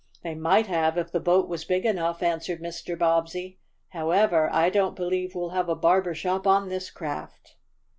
"They might have if the boat was big enough," answered Mr. Bobbsey. "However, I don't believe we'll have a barber shop on this craft."